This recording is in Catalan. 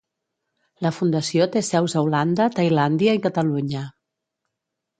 La fundació té seus a Holanda, Tailàndia i Catalunya.